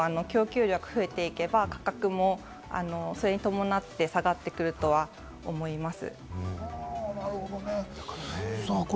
たまごの供給量が増えていけば、価格もそれに伴って下がってくるとは思います。